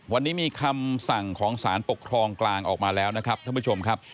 วันนี้มีคำสั่งของสารปกครองกลางออกมาแล้วนะครับท่านผู้ชมครับ